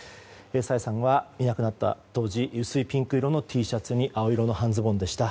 朝芽さんはいなくなった当時薄いピンク色のＴシャツに青色の半ズボンでした。